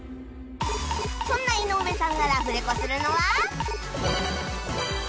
そんな井上さんがラフレコするのは